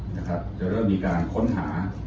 จะเริ่มมีการค้นหา